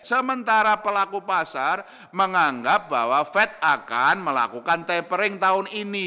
sementara pelaku pasar menganggap bahwa fed akan melakukan tapering tahun ini